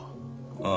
ああ。